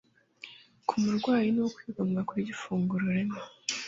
ku murwayi ni ukwigomwa kurya ifunguro rimwe